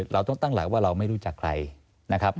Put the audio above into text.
เราต้องตั้งหลักว่าเราไม่รู้จักใครนะครับ